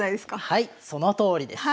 はいそのとおりです。